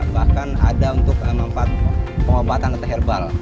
bahkan ada untuk pengobatan atau herbal